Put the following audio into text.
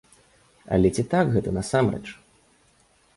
Але ці так гэта насамрэч?